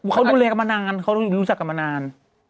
เขาดูแลกันมานานเขารู้จักกันมานาน